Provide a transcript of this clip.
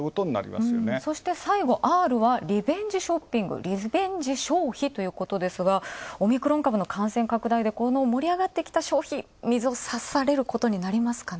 そして、最後、Ｒは、リベンジショッピング、ということですが、オミクロン株の感染拡大でこの盛り上がってきた消費、水を差されるかたちなりますかね。